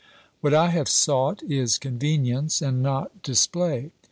What I have sought is convenience and not display.